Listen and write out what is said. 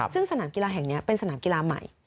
ซึ่งสนามกีฬาแห่งนี้เป็นสนามกีฬาใหม่